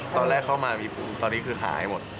ตอนแรกเข้ามามีภูมิตอนนี้คือหายหมด